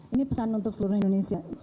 ini pesan untuk seluruh indonesia